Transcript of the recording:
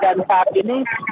dan saat ini